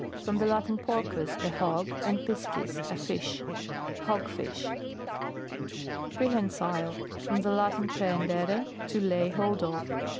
From the Latin, porous, a hog, and piscis, a fish. Hog fish. PREHENSILE. From the Latin, prc hendere, to lay hold of.